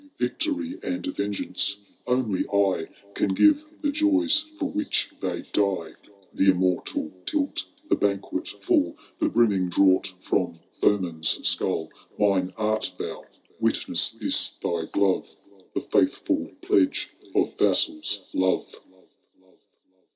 Victory and vengeance — only I Can give the jojrs for which they die. The immortal tilt— the banquet full, The brimming draught fiiom foeman^i skull. Mine art thou, witness this thy glove. The faithful pledge of vassal*s love.